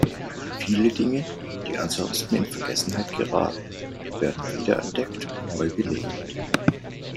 Viele Dinge, die ansonsten in Vergessenheit geraten, werden wiederentdeckt und neu belebt.